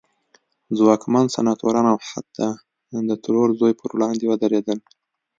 ځواکمن سناتوران او حتی د ترور زوی پر وړاندې ودرېدل.